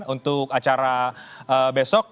untuk acara besok